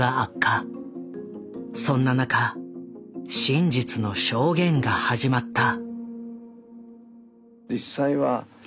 そんな中真実の証言が始まった。